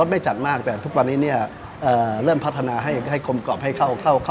อาหารตอนนั้นที่เสิร์ฟเป็นอาหารประเภทไหนครับ